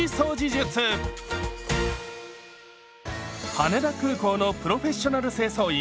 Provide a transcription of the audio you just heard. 羽田空港のプロフェッショナル清掃員